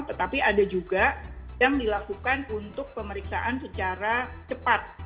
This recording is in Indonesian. tetapi ada juga yang dilakukan untuk pemeriksaan secara cepat